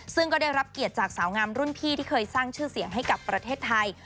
ซึ่งก็ได้รับเกียรติจากสาวงามรุ่นพี่ที่เคยสร้างชื่อเสียงให้กับประเทศไทย